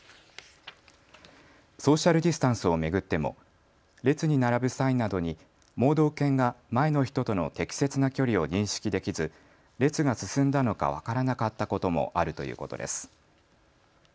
ソーシャルディスタンスを巡っても列に並ぶ際などに盲導犬が前の人との適切な距離を認識できず列が進んだのか分からなかったこともあるということです。